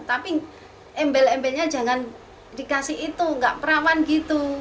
tapi embel embelnya jangan dikasih itu nggak perawan gitu